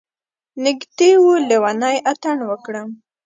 نږدې و لیونی اتڼ وکړم.